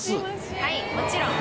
はいもちろん。